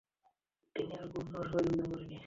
তিনি আর কোন জনসভায় যোগদান করেননি।